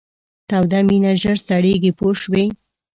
توده مینه ژر سړیږي پوه شوې!.